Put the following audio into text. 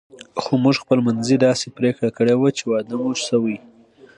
خو موږ خپل منځي داسې پرېکړه کړې وه چې واده مو شوی.